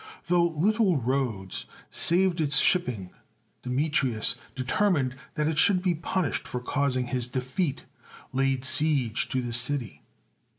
Though little Rhodes saved its shipping, Deme trius, determined that it should be punished for causing his defeat, laid siege to the city.